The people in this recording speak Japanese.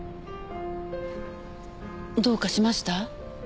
どうかしました？